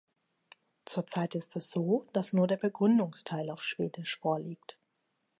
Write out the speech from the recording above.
Zur Zeit ist es so, dass nur der Begründungsteil auf Schwedisch vorliegt.